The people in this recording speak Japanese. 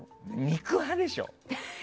肉派でしょ。